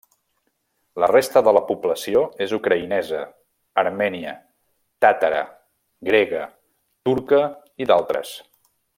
La resta de la població és ucraïnesa, armènia, tàtara, grega, turca i d'altres.